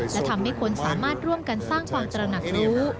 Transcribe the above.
และทำให้คนสามารถร่วมกันสร้างความตระหนักรู้